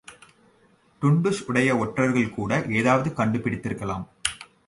டுன்டுஷ் உடைய ஒற்றர்கள்கூட ஏதாவது கண்டு பிடித்திருக்கலாம்.